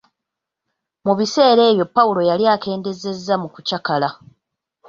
Mu bissera ebyo Pawulo yali akendeezeza mu kukyakala.